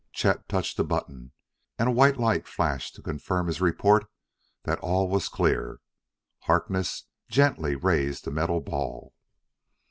Chet touched a button, and a white light flashed to confirm his report that all was clear. Harkness gently raised the metal ball.